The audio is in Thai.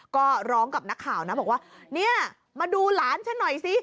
ก็ร้องกับนักข่าวนะบอกว่าเนี่ยมาดูหลานฉันหน่อยสิ